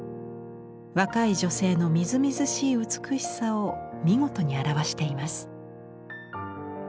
若い女性のみずみずしい美しさを見事に表しています。